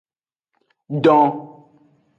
Don.